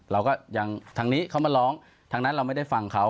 เราก็อย่างทางนี้เขามาร้องทางนั้นเราไม่ได้ฟังเขา